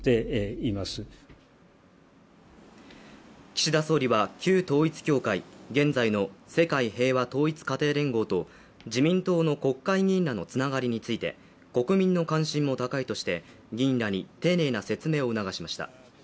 岸田総理は旧統一教会、現在の世界平和統一家庭連合と自民党の国会議員らのつながりについて国民の関心も高いとして議員らに丁寧な説明を促しました。